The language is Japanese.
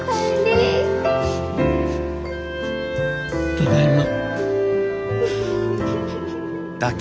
ただいま。